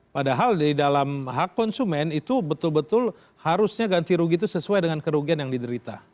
padahal di dalam hak konsumen itu betul betul harusnya ganti rugi itu sesuai dengan kerugian yang diderita